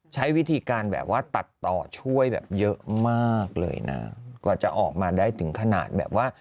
ใช้วิธีการแบบว่าตัดต่อช่วยแบบเยอะมากเลยนะกว่าจะออกมาได้ถึงขนาดแบบว่า